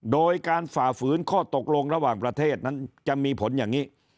โดยการฝ่าฝืนข้อตกลงระหว่างประเทศนั้นจะมีผลอย่างนี้